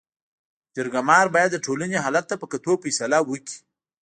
جرګه مار باید د ټولني حالت ته په کتو فيصله وکړي.